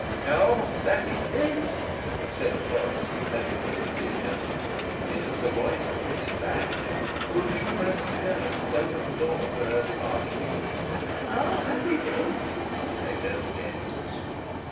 "Ah, that he did!" said a voice level with Zuleika. It was the voice of Mrs. Batch, who a few moments ago had opened the door for her departing guests. "Ah, that he did!" echoed the guests.